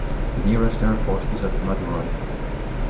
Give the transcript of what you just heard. The nearest airport is at Madurai.